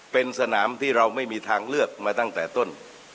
เป็นสนามที่เราไม่มีทางเลือกมาตั้งแต่ต้น